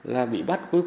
là bị bắt cuối cùng